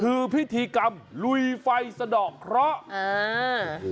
คือพิธีกรรมลุยไฟสะดอกเคราะห์อ่า